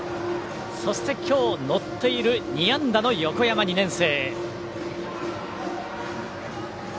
そして、今日乗っている２安打の横山、２年生。